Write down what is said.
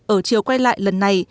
ở chiều quay lại lần này